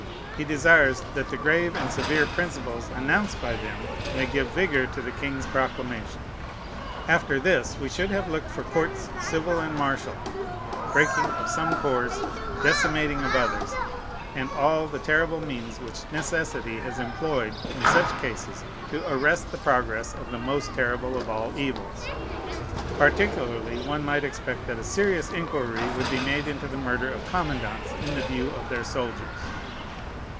He desires that the grave and severe principles announced by them may give vigor to the king's proclamation. After this we should have looked for courts civil and martial, breaking of some corps, decimating of others, and all the terrible means which necessity has employed in such cases to arrest the progress of the most terrible of all evils; particularly, one might expect that a serious inquiry would be made into the murder of commandants in the view of their soldiers.